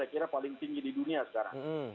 saya kira paling tinggi di dunia sekarang